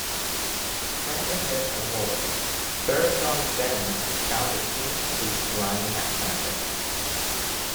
Sent ahead by Warwick, Sir John Denham found the king's fleet lying at Sandwich.